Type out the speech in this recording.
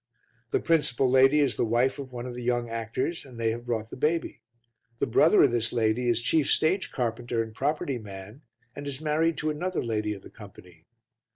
The principal lady is the wife of one of the young actors and they have brought the baby. The brother of this lady is chief stage carpenter and property man, and is married to another lady of the company.